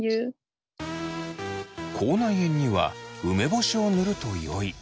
口内炎には梅干しを塗るとよい。